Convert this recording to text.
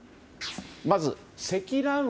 まず、積乱雲。